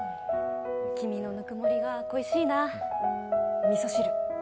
君のぬくもりが恋しいな、みそ汁。